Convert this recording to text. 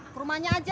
ke rumahnya aja